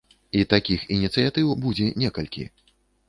І такіх ініцыятыў будзе некалькі.